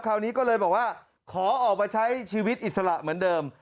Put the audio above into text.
คราวนี้ก็เลยบอกว่าขอออกมาใช้ชีวิตอิสระเหมือนเดิม